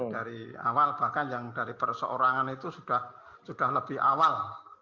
dari awal bahkan yang dari perseorangan itu sudah lebih awal